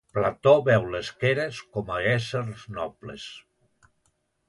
Plató veu les Keres com a éssers nobles?